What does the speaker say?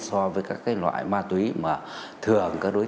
có gắn các thiết bị tình dị